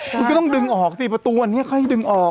คุณก็ต้องดึงออกสิประตูอันนี้ค่อยดึงออก